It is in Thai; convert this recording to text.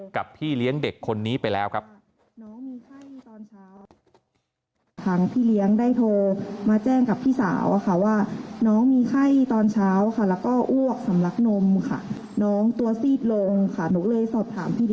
กับพี่เลี้ยงเด็กคนนี้ไปแล้วครับ